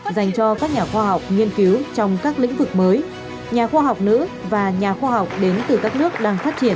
dành cho các nhà khoa học nghiên cứu trong các lĩnh vực mới nhà khoa học nữ và nhà khoa học đến từ các nước đang phát triển